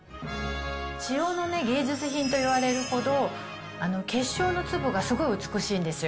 塩の芸術品といわれるほど、結晶の粒がすごい美しいんですよ。